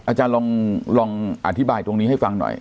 อาจารย์ลองอธิบายตรงนี้ให้ฟังหน่อย